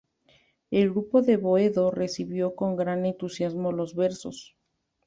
El grupo de Boedo recibió con gran entusiasmo los versos.